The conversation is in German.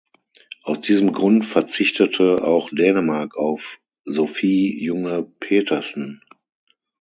Aus diesem Grund verzichtete auch Dänemark auf Sofie Junge Pedersen.